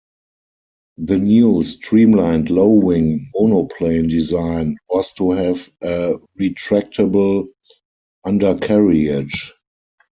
The new streamlined low-wing monoplane design was to have a retractable undercarriage.